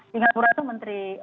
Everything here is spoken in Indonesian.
singapura itu menteri